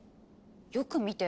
よく見て。